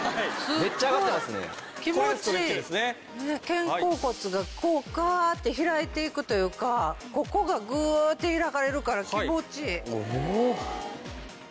肩甲骨がこうガーッて開いていくというかここがグーッて開かれるから気持ちいい。